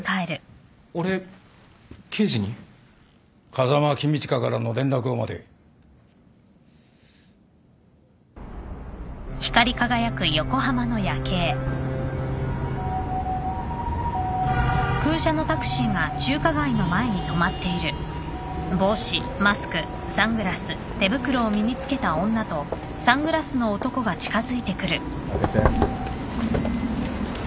風間公親からの連絡を待て。開けて。